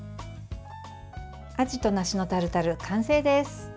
あじと梨のタルタル、完成です。